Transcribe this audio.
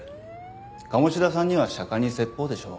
鴨志田さんには「釈迦に説法」でしょう。